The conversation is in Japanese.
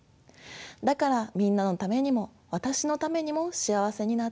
だからみんなのためにも私のためにも幸せになってくださいね。